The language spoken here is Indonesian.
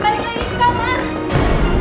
mas mau kemana